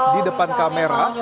di depan kamera